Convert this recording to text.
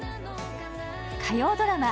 火曜ドラマ